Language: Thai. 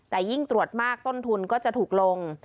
แต่ยิ่งตรวจมากต้นทุนก็จะถูกลง